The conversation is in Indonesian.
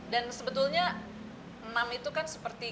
dan sebetulnya enam itu kan seperti